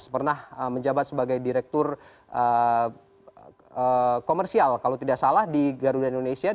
pernah menjabat sebagai direktur komersial kalau tidak salah di garuda indonesia